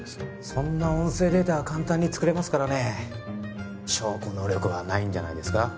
そんな音声データは簡単に作れますからね証拠能力はないんじゃないですか